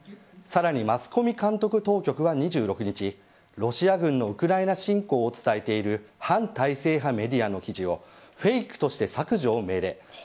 さらにマスコミ監督当局は２６日ロシア軍のウクライナ侵攻を伝えている反体制派メディアの記事をフェイクとして削除を命令。